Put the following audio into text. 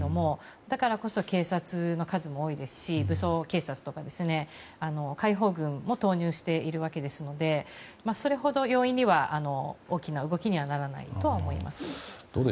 だからこそ警察の数も多いですし武装警察とか解放軍も投入しているわけですのでそれほど容易には大きな動きにはならないと思います。